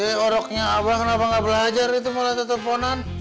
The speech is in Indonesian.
iya oroknya abah kenapa gak belajar itu mau teleponan